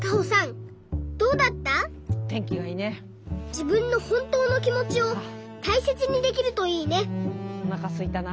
じぶんのほんとうのきもちをたいせつにできるといいねおなかすいたな。